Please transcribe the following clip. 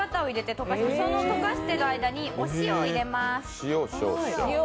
溶かしてる間にお塩を入れます。